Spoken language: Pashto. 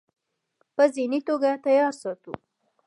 پۀ ذهني توګه تيار ساتو -